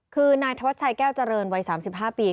คือนายธวัชชัยแก้วเจริญวัย๓๕ปี